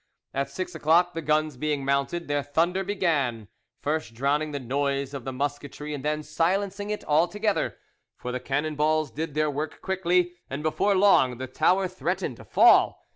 At six o'clock, the guns being mounted, their thunder began, first drowning the noise of the musketry and then silencing it altogether; for the cannon balls did their work quickly, and before long the tower threatened to fall.